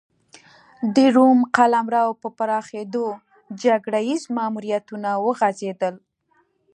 د روم قلمرو په پراخېدو جګړه ییز ماموریتونه وغځېدل